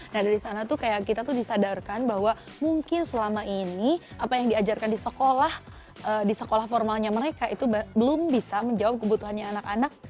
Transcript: nah dari sana tuh kayak kita tuh disadarkan bahwa mungkin selama ini apa yang diajarkan di sekolah di sekolah formalnya mereka itu belum bisa menjawab kebutuhannya anak anak